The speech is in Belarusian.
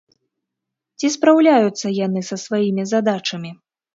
Ці спраўляюцца яны са сваімі задачамі?